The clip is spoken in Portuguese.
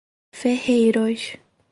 Ferreiros